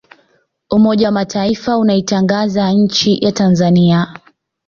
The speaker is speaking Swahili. umoja wa mataifa unaitangaza nchi ya tanzania